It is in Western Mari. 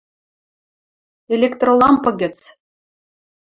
Электролампа гӹц